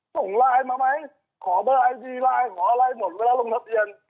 ส่งไลน์มาไหมขอเบอร์ไอซีไลน์ขออะไรหมดเวลาลงทะเบียน